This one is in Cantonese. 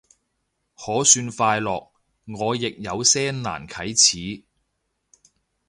可算快樂，我亦有些難啟齒